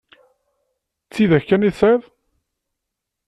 D tidak kan i tesɛiḍ?